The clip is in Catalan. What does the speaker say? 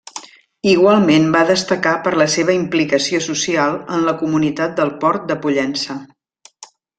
Igualment va destacar per la seva implicació social en la comunitat del Port de Pollença.